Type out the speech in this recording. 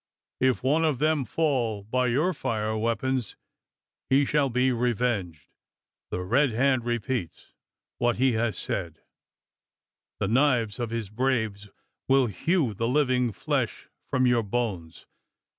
If one of them fall by your fire weapons, he shall be revenged. The Red Hand repeats what he has said: the knives of his braves will hew the living flesh from your bones.